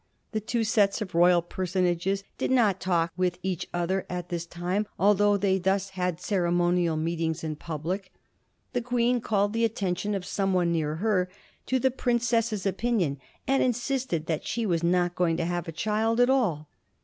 The two sets of royal personages did not talk with each other at this time, although they thus had ceremonial meetings in pub lic. The Queen called the attention of some one near her to the princess's appearance, and insisted that she was not going to have a child at all.